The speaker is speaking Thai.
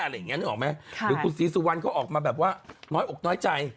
จริงสุดวันเขาออกมาแบบว่าน้อยอกน้อยใจ